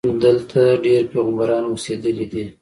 دلته ډېر پیغمبران اوسېدلي دي.